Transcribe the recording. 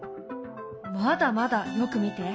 まだまだよく見て。